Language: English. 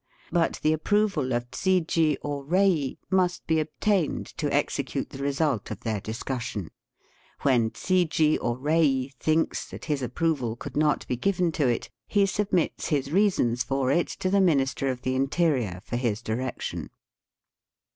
But the approval of chiji or rei must be obtained to execute the result of their dis cussion. When chiji or rei thinks that his approval could not be given to it, he submits his reasons for it to the Minister of the Interior for his direction.